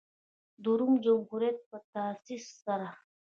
د روم جمهوریت په تاسیس سره.